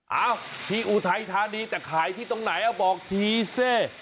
เอ้าที่อุทัยธานีแต่ขายที่ตรงไหนบอกทีเซ